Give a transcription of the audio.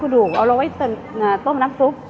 กระดูกเอาไว้ต้มน้ำซุป